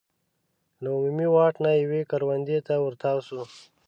له عمومي واټ نه یوې کروندې ته ور تاو شو.